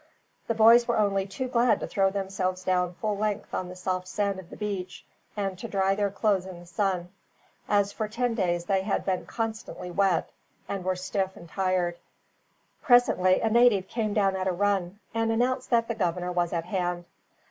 The boys were only too glad to throw themselves down full length on the soft sand of the beach, and to dry their clothes in the sun; as for ten days they had been constantly wet, and were stiff and tired. Presently a native came down at a run, and announced that the governor was at hand.